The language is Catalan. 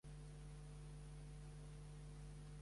El franquisme va aconseguir fer-se seva la poesia de Verdaguer